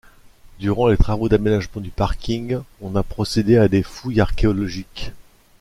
Durant les travaux d'aménagement du parking, on a procédé à des fouilles archéologiques.